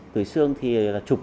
tuổi sương thì là chụp cổ